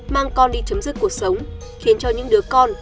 mang con đi chấm dứt cuộc sống khiến cho những đứa con